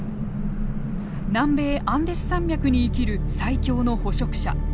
南米アンデス山脈に生きる最強の捕食者。